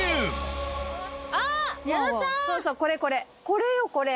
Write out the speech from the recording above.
これよこれ。